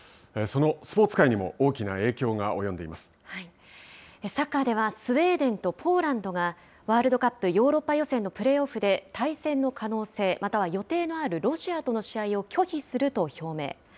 そのスポーツ界にもサッカーではスウェーデンとポーランドがワールドカップヨーロッパ予選のプレーオフで対戦の可能性または予定のあるロシアとの試合を拒否すると表明。